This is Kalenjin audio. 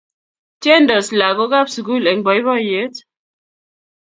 Tiendos lagokab sukul eng boiboiyet